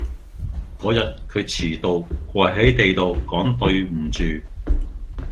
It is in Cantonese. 嗰日佢遲到，跪喺地度講對唔住